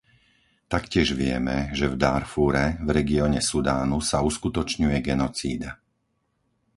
Taktiež vieme, že v Dárfúre, v regióne Sudánu sa uskutočňuje genocída.